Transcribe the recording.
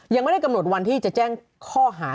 ยังไม่ได้กำหนดวันที่จะแจ้งข้อหา